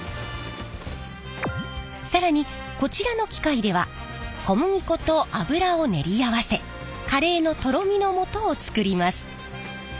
更にこちらの機械では小麦粉と油を練り合わせカレーのとろみのもとを作ります。